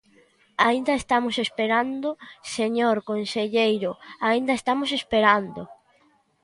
Aínda estamos esperando, señor conselleiro, aínda estamos esperando.